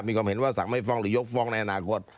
มีความเห็นว่าสั่งไม่ฟ้องหรือยกฟ้องในอนาคต